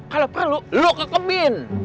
kalau perlu lu kekepin